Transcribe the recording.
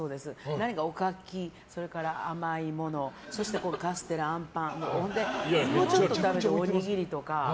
何か、おかき、甘いものそしてカステラ、あんぱんもうちょっと食べたいとなるとおにぎりとか。